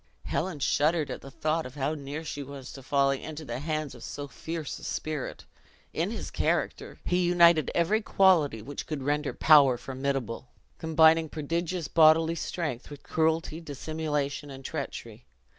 Helen shuddered at the thought of how near she was to falling into the hands of so fierce a spirit. In his character, he united every quality which could render power formidable; combining prodigious bodily strength with cruelty, dissimulation, and treachery.